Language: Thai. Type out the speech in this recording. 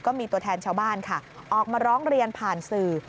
ก็มีตัวแทนชาวบ้านค่ะออกมาร้องเรียนผ่านสื่อ